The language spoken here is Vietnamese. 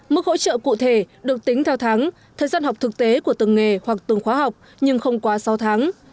mức hỗ trợ cụ thể được tính theo tháng thời gian học thực tế của từng nghề hoặc từng khóa học nhưng không quá sáu tháng